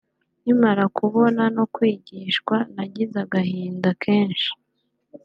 nkimara kubona no kwigishwa nagize agahinda kenshi